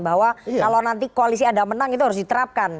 bahwa kalau nanti koalisi ada menang itu harus diterapkan